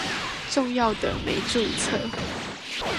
重要的沒註冊